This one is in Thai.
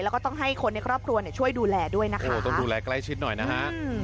แล้วก็ต้องให้คนในครอบครัวเนี่ยช่วยดูแลด้วยนะคะโอ้ต้องดูแลใกล้ชิดหน่อยนะฮะ